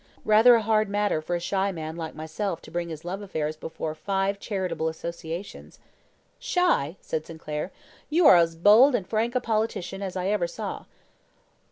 Rather a hard matter for a shy man like myself to bring his love affairs before five charitable associations." "Shy!" said Sinclair. "You are as bold and frank a politician as I ever saw."